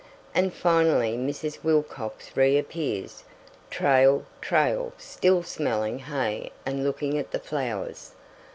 And finally Mrs. Wilcox reappears, trail, trail, still smelling hay and looking at the flowers.